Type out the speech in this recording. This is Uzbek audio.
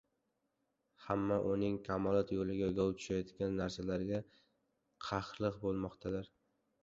hamda uning kamolot yo‘liga g‘ov tushayotgan narsalarga qahrltg bo‘lmoqlikdir.